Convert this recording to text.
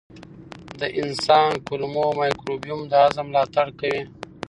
د انسان کولمو مایکروبیوم د هضم ملاتړ کوي.